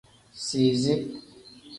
Sizi.